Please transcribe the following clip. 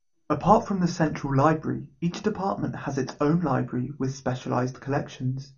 Apart from the central library, each department has its own library with specialized collections.